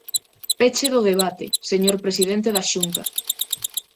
Peche do debate, señor presidente da Xunta.